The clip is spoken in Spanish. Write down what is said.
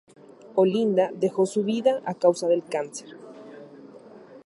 Olinda dejó su vida a causa del cáncer.